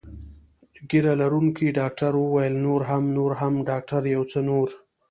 ږیره لرونکي ډاکټر وویل: نور هم، نور هم، ډاکټره یو څه نور.